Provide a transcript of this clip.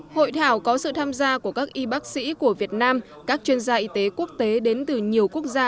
hội thảo có sự tham gia của các y bác sĩ của việt nam các chuyên gia y tế quốc tế đến từ nhiều quốc gia